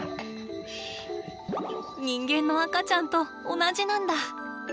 人間の赤ちゃんと同じなんだ。